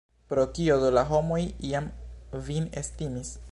Pro kio do la homoj iam vin estimis?